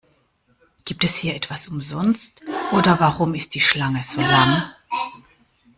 Gibt es hier etwas umsonst, oder warum ist die Schlange so lang?